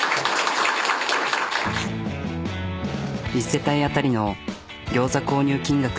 １世帯当たりのギョーザ購入金額